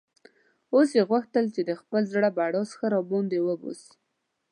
اوس یې غوښتل چې د خپل زړه بړاس ښه را باندې وباسي.